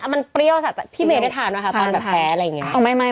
มันเปรี้ยวจากพี่เมย์ได้ทานไหมคะตอนแบบแพ้อะไรอย่างนี้